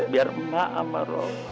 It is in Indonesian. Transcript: biar mak sama rom